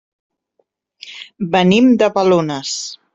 Venim de Balones.